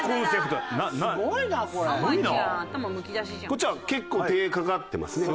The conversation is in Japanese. こっちは結構手かかってますね。